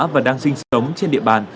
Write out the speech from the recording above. và đang sinh sống trên địa bàn